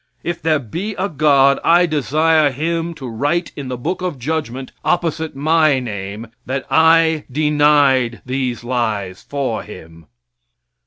If there be a God I desire Him to write in the book of judgment opposite my name that I denied these lies for Him.